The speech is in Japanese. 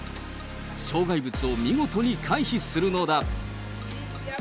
障害物を見事に回避するのだ。